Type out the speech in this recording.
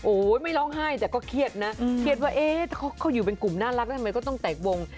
โอ้โหไม่ร้องไห้แต่ก็เครียดนะเครียดว่าเอ๊ะเขาอยู่เป็นกลุ่มน่ารักแล้วทำไมก็ต้องแต่งวง